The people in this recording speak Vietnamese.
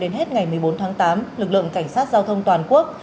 đến hết ngày một mươi bốn tháng tám lực lượng cảnh sát giao thông toàn quốc